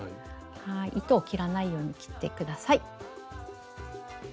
糸を切らないように切って下さい。